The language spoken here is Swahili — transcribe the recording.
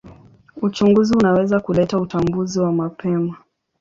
Uchunguzi unaweza kuleta utambuzi wa mapema.